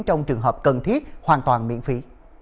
trong trường hợp cần thiết hoàn toàn miễn phí